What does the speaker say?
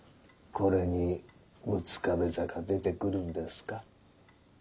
これに六壁坂出てくるんですかッ？